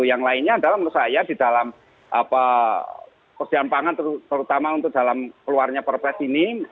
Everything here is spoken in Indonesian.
yang lainnya adalah menurut saya di dalam kesediaan pangan terutama untuk dalam keluarnya perpres ini